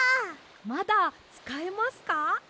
まだつかえますか？